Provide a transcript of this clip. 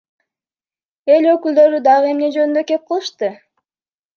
Эл өкүлдөрү дагы эмне жөнүндө кеп кылышты?